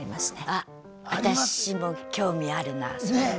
あ私も興味あるなそれ。